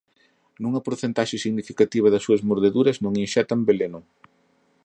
Nunha porcentaxe significativa das súas mordeduras non inxectan veleno.